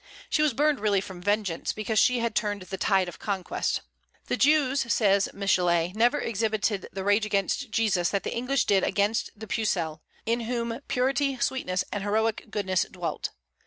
She was burned really from vengeance, because she had turned the tide of conquest. "The Jews," says Michelet, "never exhibited the rage against Jesus that the English did against the Pucelle," in whom purity, sweetness, and heroic goodness dwelt.